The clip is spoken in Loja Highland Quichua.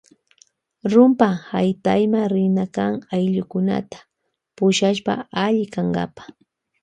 Rumpa haytayma rina kan ayllukunata pushashpa alli kankapa.